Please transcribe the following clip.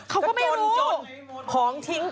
พวกไปเก็บมาเหมือนกันปะไม่รู้